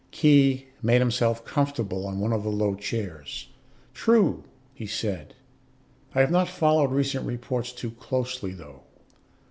Khee made himself comfortable on one of the low chairs. "True," he said. "I have not followed recent reports too closely, though.